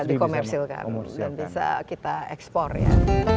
dikomersilkan dan bisa kita ekspor ya